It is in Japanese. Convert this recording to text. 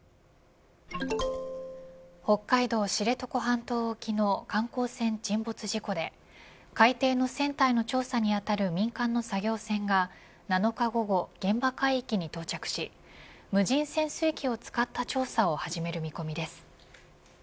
北海道知床半島沖の観光船沈没事故で海底の船体の調査に当たる民間の作業船が７日午後、現場海域に到着し無人潜水機を使った調査を始める見込みです。